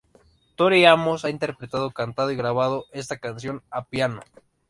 Tori Amos ha interpretado, cantado y grabado, esta canción a piano.